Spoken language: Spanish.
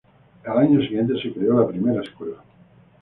Al año siguiente se creó la primera escuela.